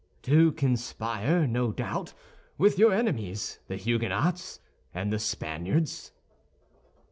"To conspire, no doubt, with your enemies, the Huguenots and the Spaniards."